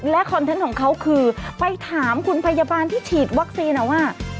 คอนเทนต์ของเขาคือไปถามคุณพยาบาลที่ฉีดวัคซีนว่า